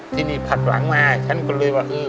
ที่นี่ผัดหวังมาฉันก็เลยว่าเออ